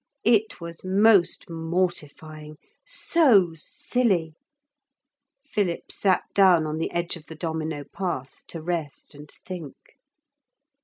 It was most mortifying. So silly! Philip sat down on the edge of the domino path to rest and think.